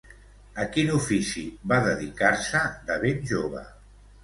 A quin ofici va dedicar-se de ben jove?